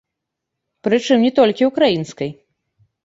Прычым, не толькі украінскай.